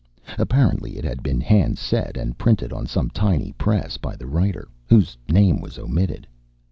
Apparently it had been hand set and printed on some tiny press by the writer, whose name was omitted.